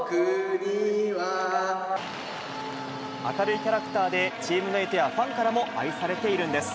明るいキャラクターで、チームメートやファンからも愛されているんです。